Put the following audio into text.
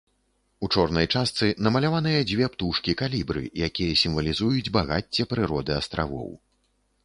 У чорнай частцы намаляваныя дзве птушкі калібры, якія сімвалізуюць багацце прыроды астравоў.